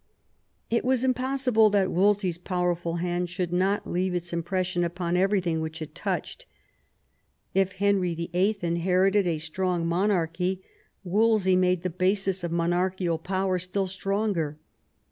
It was impossible that Wolsey's powerful hand should not leave its impression upon everything which it touched. If Henry Vllt inherited a strong monarchy, Wolsey made the basis of monarchical power still stronger.